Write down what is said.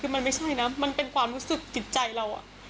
คือมันไม่ใช่นะมันเป็นความรู้สึกจิตใจเรา